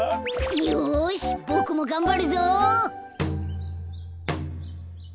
よしボクもがんばるぞ。